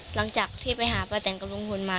หลังจากที่ไปหาป้าแต่งกับลุงพลมา